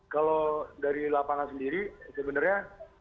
kalau dari lapangan sendiri sebenarnya